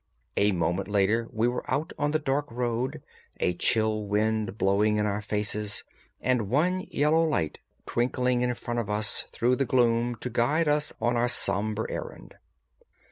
A moment later we were out on the dark road, a chill wind blowing in our faces, and one yellow light twinkling in front of us through the gloom to guide us on our sombre errand.